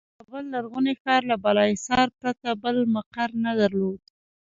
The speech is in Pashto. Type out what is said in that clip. د کابل لرغوني ښار له بالاحصار پرته بل مقر نه درلود.